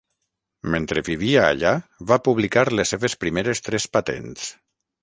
Mentre vivia allà, va publicar les seves primeres tres patents.